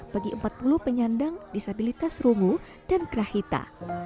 bagi empat puluh penyandang disabilitas rungu dan kerahita